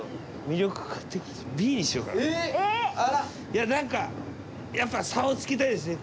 いや何かやっぱ差をつけたいですね。